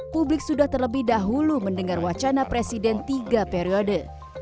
publik sudah terlebih dahulu mendengar wacana presiden tiga periode